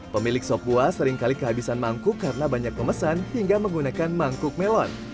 pemilik sop buah seringkali kehabisan mangkuk karena banyak pemesan hingga menggunakan mangkuk melon